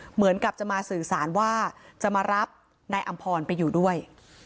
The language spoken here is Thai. เหมือนกับจะมาสื่อสารว่าจะมารับนายอำพรไปอยู่ด้วย